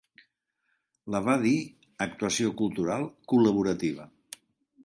La va dir "Actuació Cultural Col·laborativa".